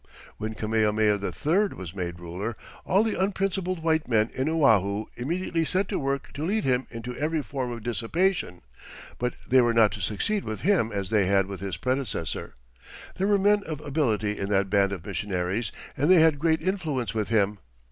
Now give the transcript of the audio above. When Kamehameha III was made ruler, all the unprincipled white men in Oahu immediately set to work to lead him into every form of dissipation, but they were not to succeed with him as they had with his predecessor. There were men of ability in that band of missionaries, and they had great influence with him.